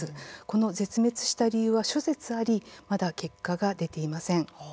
この絶滅した理由は諸説ありまだ結果が出ていません。